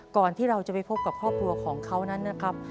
ก่อนที่เราจะไปพบกับครอบครัวของเขานั้นนะครับ